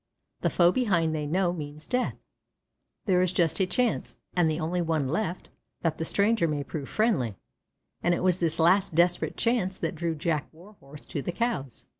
The foe behind they know means death. There is just a chance, and the only one left, that the stranger may prove friendly; and it was this last desperate chance that drew Jack Warhorse to the Cows.